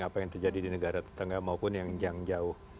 apa yang terjadi di negara tetangga maupun yang jauh